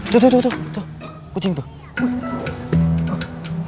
tuh tuh tuh kucing tuh